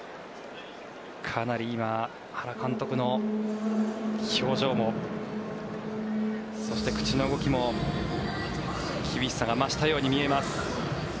かなり今、原監督の表情もそして、口の動きも厳しさが増したように見えます。